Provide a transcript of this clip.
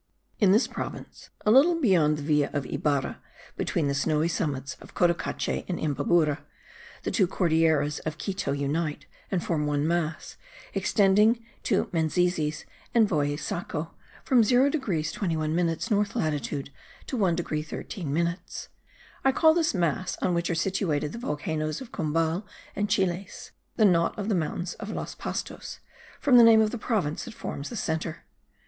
In this province, a little beyond the villa of Ibarra, between the snowy summits of Cotocache and Imbabura, the two Cordilleras of Quito unite, and form one mass, extending to Meneses and Voisaco, from 0 degrees 21 minutes north latitude to 1 degree 13 minutes. I call this mass, on which are situated the volcanoes of Cumbal and Chiles, the knot of the mountains of Los Pastos, from the name of the province that forms the centre.